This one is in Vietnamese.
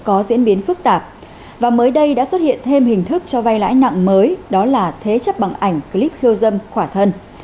có diễn biến phức tạp và mới đây đã xuất hiện thêm hình thức cho vay lãi nặng mới đó là thế chấp bằng ảnh clip khiêu dâm khỏa thân